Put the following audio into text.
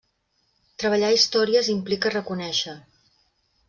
Treballar històries implica reconèixer.